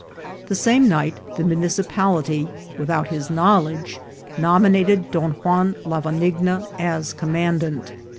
The same night the muni cipality, without his knowledge, nominated Don Juan Lavanigna as commandant.